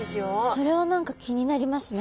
それは何か気になりますね。